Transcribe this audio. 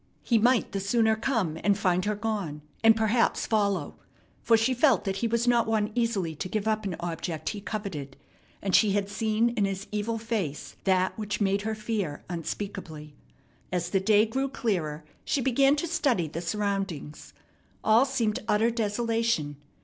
He might the sooner come, and find her gone, and perhaps follow; for she felt that he was not one easily to give up an object he coveted, and she had seen in his evil face that which made her fear unspeakably. As the day grew clearer, she began to study the surroundings. All seemed utter desolation.